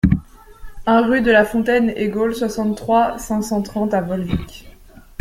un rue de la Fontaine Egaules, soixante-trois, cinq cent trente à Volvic